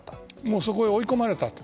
そこに追い込まれたと。